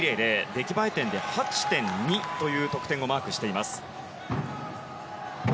出来栄え点で８．２という得点をマークしています。